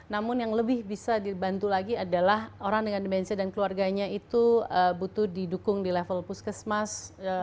namun yang lebih bisa dibantu lagi adalah orang dengan dimensia dan keluarganya itu butuh didukung di level puskesmas